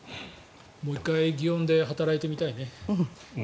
もう１回祇園で働いてみたいね。